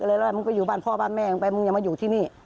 แล้วมึงก็อยู่บ้านพ่อบ้านแม่มึงไปมึงอย่ามาอยู่ที่นี่